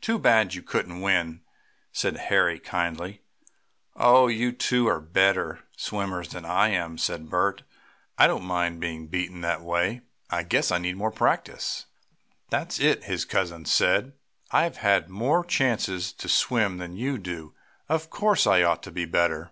"Too bad you couldn't win," said Harry kindly. "Oh, you two are better swimmers than I am," said Bert. "I don't mind being beaten that way. I guess I need more practice." "That's it," his cousin said. "I have had more chances to swim than you do, so of course I ought to be better."